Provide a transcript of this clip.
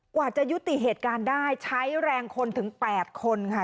กว่าจะยุติเหตุการณ์ได้ใช้แรงคนถึง๘คนค่ะ